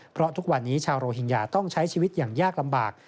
เพราะทุกวันนี้ชาวโรฮิงญาต้องใช้ชีวิตอย่างยากลำบาก